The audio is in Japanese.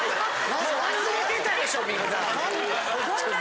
忘れてたでしょみんな。